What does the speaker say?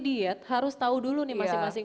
diet harus tahu dulu nih masing masing